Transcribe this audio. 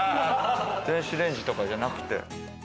電子レンジとかじゃなくて。